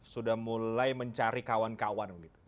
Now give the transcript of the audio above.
sudah mulai mencari kawan kawan begitu